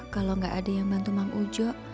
kalau gak ada yang bantu mang ujo